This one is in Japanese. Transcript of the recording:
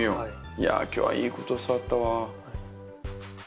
いや今日はいいこと教わったわ。